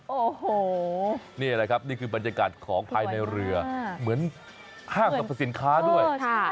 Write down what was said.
โอ้โหนี่แหละครับนี่คือบรรยากาศของภายในเรือเหมือนห้างสรรพสินค้าด้วย